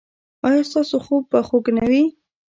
ایا ستاسو خوب به خوږ نه وي؟